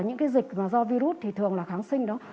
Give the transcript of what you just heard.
những cái dịch mà do virus thì thường là kháng sinh đó